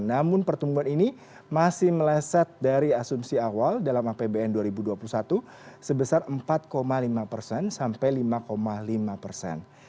namun pertumbuhan ini masih meleset dari asumsi awal dalam apbn dua ribu dua puluh satu sebesar empat lima persen sampai lima lima persen